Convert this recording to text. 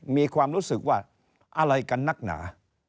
มีความรู้สึกว่าอะไรกันนักหนา